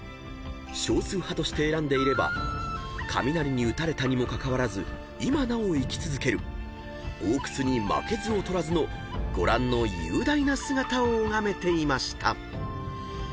［少数派として選んでいれば雷に打たれたにもかかわらず今なお生き続ける大楠に負けず劣らずのご覧の雄大な姿を拝めていました］